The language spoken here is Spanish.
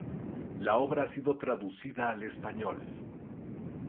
La obra ha sido traducida al español.